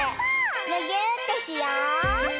むぎゅーってしよう！